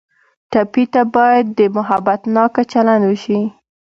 ټپي ته باید محبتناکه چلند وشي.